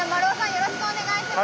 よろしくお願いします。